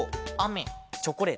チョコレート。